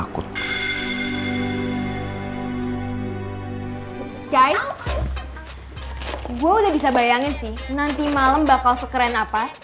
gue udah bisa bayangin sih nanti malam bakal sekeren apa